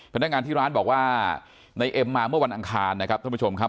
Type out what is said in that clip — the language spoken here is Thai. พนักงานที่ร้านบอกว่าในเอ็มมาเมื่อวันอังคารนะครับท่านผู้ชมครับ